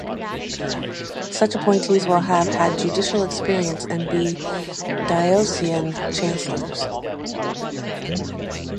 Such appointees will have had judicial experience and be diocesan chancellors.